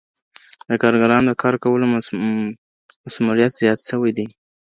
د کارګرانو د کار کولو مثمريت زيات سوی دی.